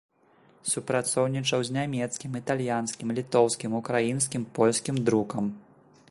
Супрацоўнічаў з нямецкім, італьянскім, літоўскім, украінскім, польскім друкам.